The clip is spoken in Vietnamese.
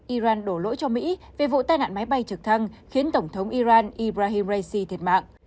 iran đổ lỗi cho mỹ về vụ tai nạn máy bay trực thăng khiến tổng thống iran ibrahim raisi thiệt mạng